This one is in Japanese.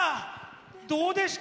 どうでした？